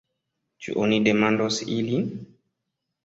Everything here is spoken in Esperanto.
Ĉu oni demandos ilin?